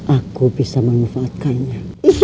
aku bisa mengufatkannya